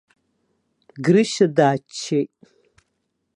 Грышьа дааччеит.